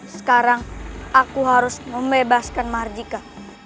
sekarang aku harus membebaskan marjika